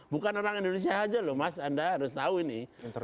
bukan orang indonesia aja loh mas anda harus tahu ini